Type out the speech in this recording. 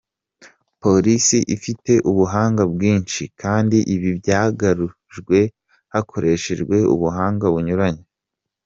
Polisi ifite ubuhanga bwinshi, kandi ibi byagarujwe hakoreshejwe ubuhanga bunyuranye”.